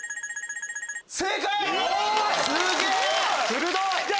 鋭い！